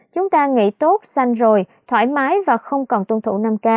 chúng ta nghỉ tốt xanh rồi thoải mái và không cần tuân thủ năm k